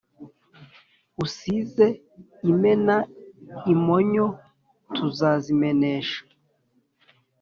Usize imena imonyo tuzazimenesha.